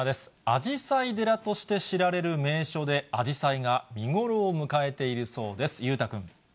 あじさい寺として知られる名所で、あじさいが見頃を迎えているそうです。